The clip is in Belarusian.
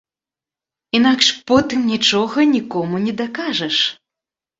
Інакш потым нічога нікому не дакажаш.